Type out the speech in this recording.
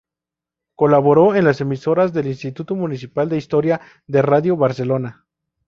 Colaboró en las emisiones del Instituto Municipal de Historia de Radio Barcelona.